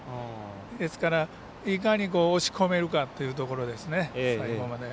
ですから、いかに押し込めるかというところですね、最後まで。